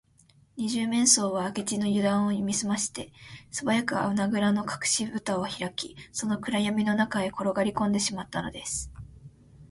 二十面相は明智のゆだんを見すまして、すばやく穴ぐらのかくしぶたをひらき、その暗やみの中へころがりこんでしまったのです